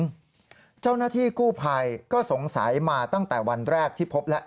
รูปลักษณ์ของผู้หญิงเจ้าหน้าที่กู้ภัยก็สงสัยมาตั้งแต่วันแรกที่พบแล้ว